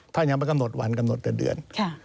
ท่านยังไม่กำหนดวันกำหนดแต่เดือน